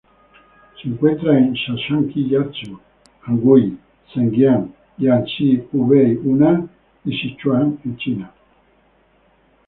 Se encuentra en Shaanxi, Jiangsu, Anhui, Zhejiang, Jiangxi, Hubei, Hunan y Sichuan en China.